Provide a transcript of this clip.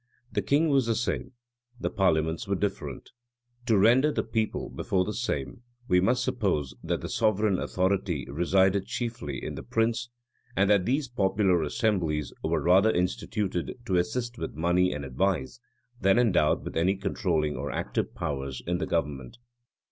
The king was the same: the parliaments were different. To render the people therefore the same, we must suppose that the sovereign authority resided chiefly in the prince, and that these popular assemblies were rather instituted to assist with money and advice, than endowed with any controlling or active powers in the government.